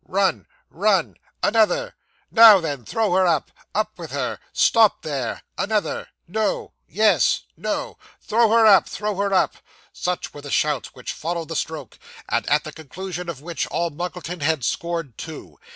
'Run run another. Now, then throw her up up with her stop there another no yes no throw her up, throw her up!' Such were the shouts which followed the stroke; and at the conclusion of which All Muggleton had scored two.